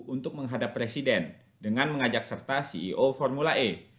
untuk menghadap presiden dengan mengajak serta ceo formula e